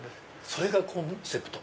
それがコンセプト？